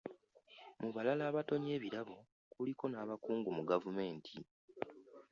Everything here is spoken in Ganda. Mu balala abatonnye ebirabo kuliko n'abakungu mu gavumenti.